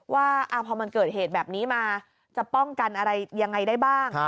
ว่าพอมันเกิดเหตุแบบนี้มาจะป้องกันอะไรยังไงได้บ้าง